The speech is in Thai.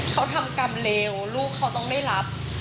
เขาทำกรรมเร็วลูกเขาต้องได้รับ